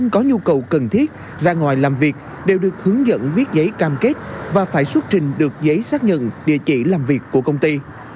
có nhu cầu cần thiết ra ngoài làm việc đều được hướng dẫn viết giấy cam kết và phải xuất trình được giấy xác nhận địa chỉ làm việc của công ty